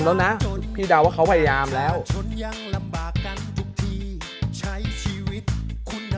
คุณภาพไม่ดีโอกาสไม่มีไม่เคยเสมอกัน